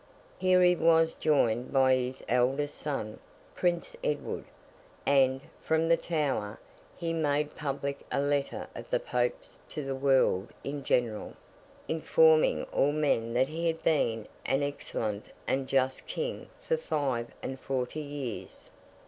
Here he was joined by his eldest son, Prince Edward; and, from the Tower, he made public a letter of the Pope's to the world in general, informing all men that he had been an excellent and just King for five and forty years.